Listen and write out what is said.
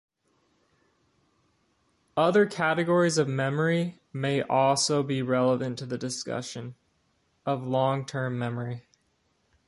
Other categories of memory may also be relevant to the discussion of long-term memory.